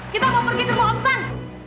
kita mau pergi ke rumah om san